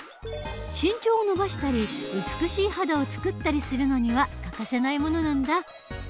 身長を伸ばしたり美しい肌をつくったりするのには欠かせないものなんだ。